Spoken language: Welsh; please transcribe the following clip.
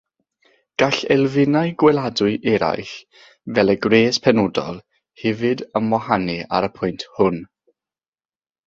Gall elfennau gweladwy eraill, fel y gwres penodol, hefyd ymwahanu ar y pwynt hwn.